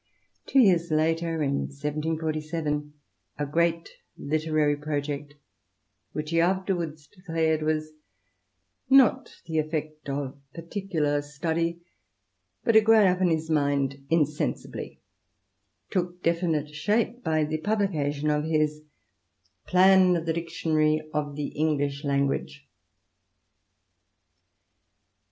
Two years later, in 1747, a great literary project, which he afterwards declared was " not the effect of particular study but had grown up in his mind insensibly," took definite shape by the publication of his " Plan of the Dictionary of the English Language."